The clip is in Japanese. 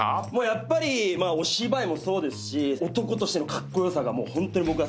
やっぱりお芝居もそうですし男としてのカッコ良さがホントに僕は好きで。